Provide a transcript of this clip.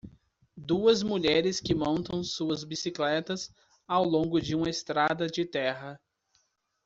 Duas mulheres que montam suas bicicletas ao longo de uma estrada de terra.